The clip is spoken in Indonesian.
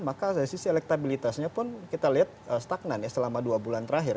maka dari sisi elektabilitasnya pun kita lihat stagnan ya selama dua bulan terakhir